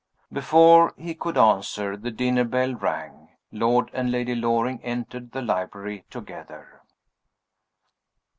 Before he could answer, the dinner bell rang. Lord and Lady Loring entered the library together.